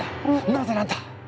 なぜなんだ。